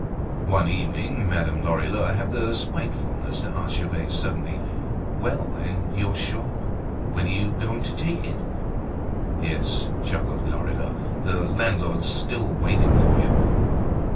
One evening Madame Lorilleux had the spitefulness to ask Gervaise suddenly: "Well! And your shop, when are you going to take it?" "Yes," chuckled Lorilleux, "the landlord's still waiting for you."